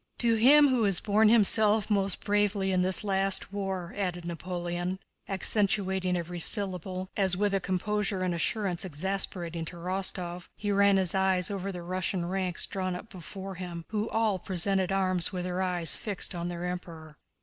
"To him who has borne himself most bravely in this last war," added Napoleon, accentuating each syllable, as with a composure and assurance exasperating to Rostóv, he ran his eyes over the Russian ranks drawn up before him, who all presented arms with their eyes fixed on their Emperor.